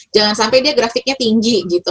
jangan sampai dia grafiknya tinggi gitu